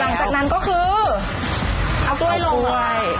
หลังจากนั้นก็คือเอากล้วยลงเลย